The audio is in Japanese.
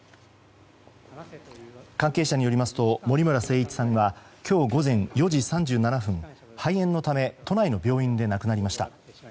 関係者によりますと森村誠一さんは今日午前４時３７分肺炎のため都内の病院で亡くなりました。